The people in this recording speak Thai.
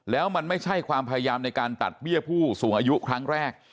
แล้วมันไม่ใช่ความพยายามในการตัดเบี้ยผู้สูงอายุครั้งแรก